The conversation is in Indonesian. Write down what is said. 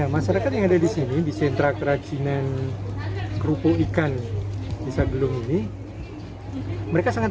masyarakat yang ada di sini di sentra kerajinan kerupuk ikan desa gelung ini mereka sangat